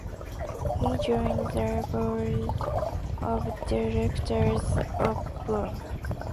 He joined the board of directors of Boom!